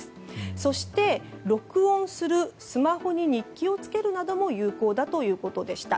そして、録音するスマホに日記をつけるなども有効だということでした。